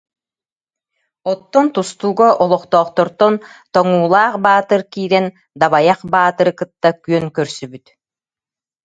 Оттон тустууга олохтоохтортон Тоҥуулаах Баатыр киирэн Дабайах Баатыры кытта күөн көрсүбүт